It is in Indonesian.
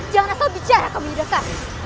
jangan asal bicara kamu yudhaka